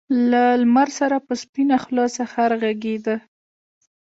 له لمر سره په سپينه خــــوله سهار غــــــــږېده